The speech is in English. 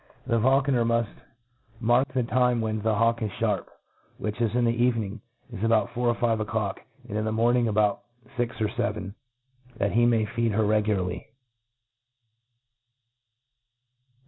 The 1^4 A T RE AT IS E OF The feulconer muft mark the time when tha hawk is Iharp, which, in the evening, is about four or five o'clock, and in the morning, about fix or feven, \hat he may feed her regularly.